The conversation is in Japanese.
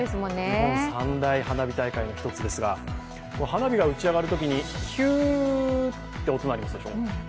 日本三大花火大会の一つですが花火が打ち上がるときにひゅーと、音鳴りますでしょ？